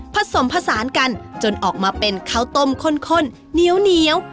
ผสมผสานกันจนออกมาเป็นข้าวต้มข้นเหนียว